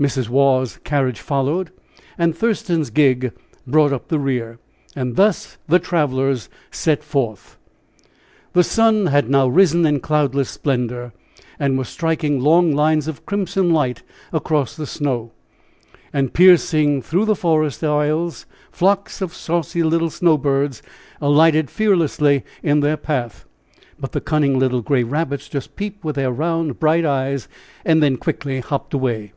Mrs. Waugh's carriage followed. And Thurston's gig brought up the rear. And thus the travelers set forth. The sun had now risen in cloudless splendor, and was striking long lines of crimson light across the snow, and piercing through the forest aisles. Flocks of saucy little snow birds alighted fearlessly in their path; but the cunning little gray rabbits just peeped with their round, bright eyes, and then quickly hopped away.